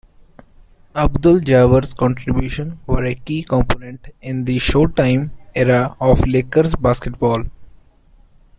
Abdul-Jabbar's contributions were a key component in the "Showtime" era of Lakers basketball.